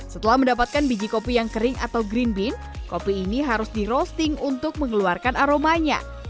setelah mendapatkan biji kopi yang kering atau green bean kopi ini harus di roasting untuk mengeluarkan aromanya